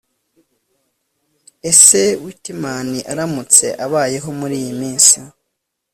ese whitman, aramutse abayeho muriyi minsi